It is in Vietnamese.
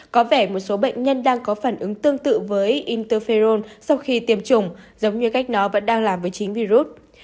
có vẻ một số bệnh nhân đang có phản ứng tương tự với interferone sau khi tiêm chủng giống như cách nó vẫn đang làm với chính virus